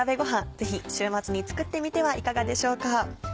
ぜひ週末に作ってみてはいかがでしょうか。